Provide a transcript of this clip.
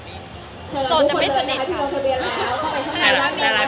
ใช่แล้วบุคคลเลยนะคะพี่โดมทะเบียแล้ว